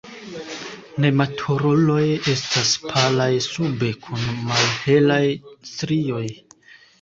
Nematuruloj estas palaj sube kun malhelaj strioj.